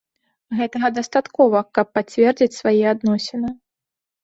Гэтага дастаткова, каб пацвердзіць свае адносіны.